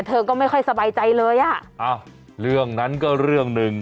เธอก็ไม่ค่อยสบายใจเลยอ่ะอ้าวเรื่องนั้นก็เรื่องหนึ่ง